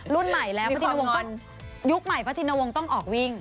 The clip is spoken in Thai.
รุ่นใหม่แล้วพระทีนาวงทรงยุคร์ใหม่พระทีนาวงต้องออกวิ่ง